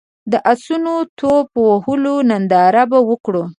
د اسونو ټوپ وهلو ننداره به وکړو.